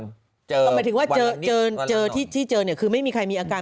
หมายถึงว่าเจอที่เจอเนี่ยคือไม่มีใครมีอาการ